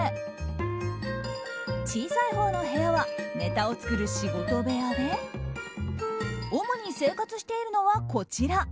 小さいほうの部屋はネタを作る仕事部屋で主に生活しているのは、こちら。